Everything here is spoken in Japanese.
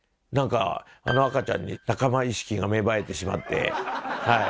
なんかあの赤ちゃんに仲間意識が芽生えてしまって。